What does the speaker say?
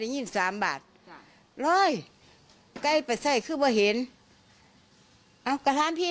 เรากันไปข้อประตู